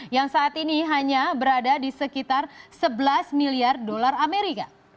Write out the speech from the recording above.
yang saat ini hanya berada di sekitar sebelas miliar dolar amerika